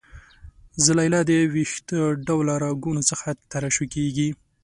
زلالیه د وېښته ډوله رګونو څخه ترشح کیږي.